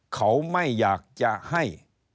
เขาไม่อยากจะให้